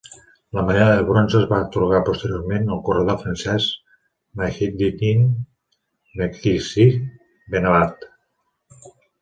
La medalla de bronze es va atorgat posteriorment al corredor francès Mahiedine Mekhissi-Benabbad.